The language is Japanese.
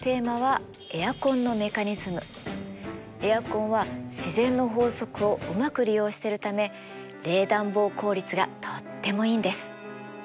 エアコンは自然の法則をうまく利用してるため冷暖房効率がとってもいいんです。